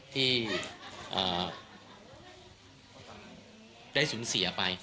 ที่ได้สูญเสียไป